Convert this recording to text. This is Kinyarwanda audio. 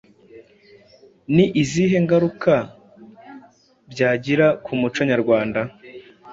Ni izihe ngaruka byagira ku muco nyarwanda